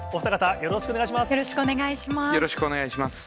よろしくお願いします。